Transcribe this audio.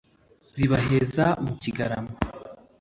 zibaheza mu kigarama